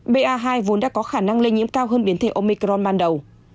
ba hai vốn đã có khả năng lây nhiễm cao hơn biến thể omicron ban đầu